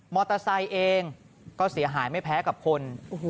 ไซค์เองก็เสียหายไม่แพ้กับคน